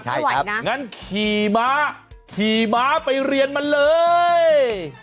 ไม่ไหวนะงั้นขี่ม้าขี่ม้าไปเรียนมันเลย